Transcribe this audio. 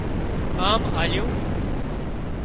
ڪام آليون